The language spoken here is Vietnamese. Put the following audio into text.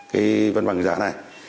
cái văn bằng giả này